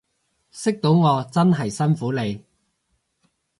識到我真係辛苦你